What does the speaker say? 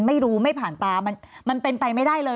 ไม่รู้ไม่ผ่านตามันเป็นไปไม่ได้เลย